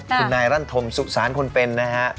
คุณนายรั่นธมสุสานคนเป็นนะฮะ